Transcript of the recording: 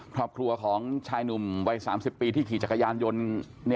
ครอบครัวของชายหนุ่มวัย๓๐ปีที่ขี่จักรยานยนต์